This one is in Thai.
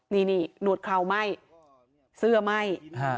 นี่หนวดเคราวไหม้เสื้อไหม้